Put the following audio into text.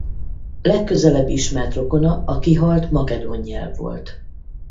Legközelebbi ismert rokona a kihalt makedón nyelv volt.